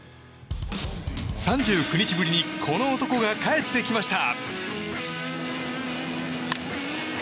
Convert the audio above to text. ３９日ぶりにこの男が帰ってきました。